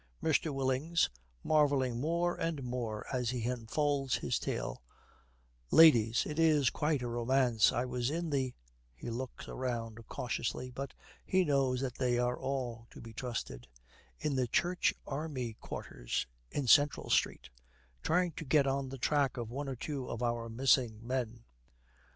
MR. WILLINGS, marvelling more and more as he unfolds his tale, 'Ladies, it is quite a romance, I was in the ' he looks around cautiously, but he knows that they are all to be trusted 'in the Church Army quarters in Central Street, trying to get on the track of one or two of our missing men.